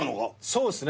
そうっすね。